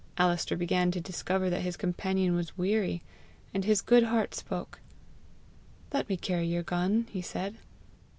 Alister began to discover that his companion was weary, and his good heart spoke. "Let me carry your gun," he said.